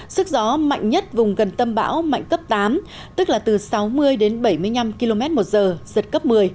sức gió mạnh nhất vùng gần tâm bão mạnh cấp tám tức là từ sáu mươi đến bảy mươi năm km một giờ giật cấp một mươi